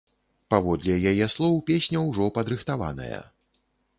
Паводле яе слоў, песня ўжо падрыхтаваная.